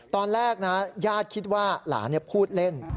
ตอนแรกนะญาติคิดว่าหลานพูดเล่น